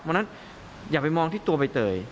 วันนั้นอย่าไปมองที่ตัวใบเตย